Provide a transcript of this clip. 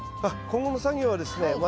あっ今後の作業はですね